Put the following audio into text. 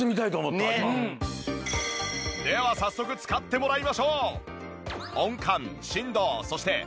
では早速使ってもらいましょう。